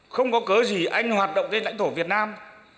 không có cớ gì anh hoạt động trên lãnh thổ việt nam